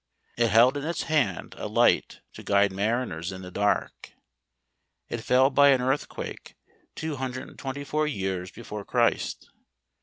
It held in its hand a light, to guide mariners in the dark. It fell by an earthquake, 224 years before Christ.